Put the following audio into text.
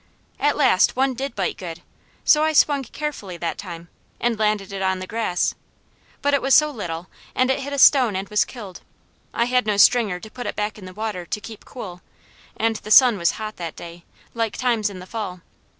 At last one did bite good, so I swung carefully that time, and landed it on the grass, but it was so little and it hit a stone and was killed. I had no stringer to put it back in the water to keep cool, and the sun was hot that day, like times in the fall.